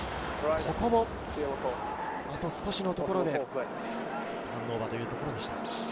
ここもあと少しのところで、ターンオーバーというところでした。